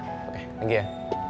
oke lagi ya